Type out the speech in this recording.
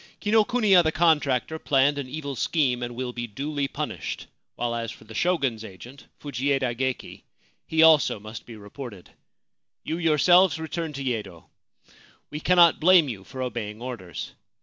Kinokuniya the contractor planned an evil scheme, and will be duly punished ; while as for the Shogun's agent, Fujieda Geki, he also must be reported. You yourselves return to Yedo. We cannot blame you for obeying orders.